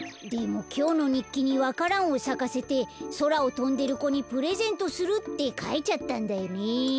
でもきょうのにっきにわか蘭をさかせてそらをとんでる子にプレゼントするってかいちゃったんだよね。